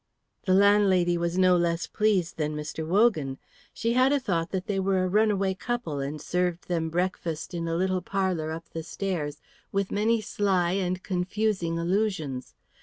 The landlady was no less pleased than Mr. Wogan. She had a thought that they were a runaway couple and served them breakfast in a little parlour up the stairs with many sly and confusing allusions.